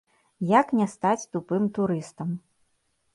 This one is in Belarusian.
Як не стаць тупым турыстам.